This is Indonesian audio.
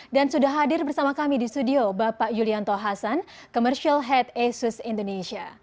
dan sudah hadir bersama kami di studio bapak yulianto hasan commercial head asus indonesia